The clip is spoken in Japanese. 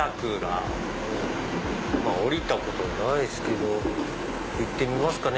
降りたことないっすけど行ってみますかね。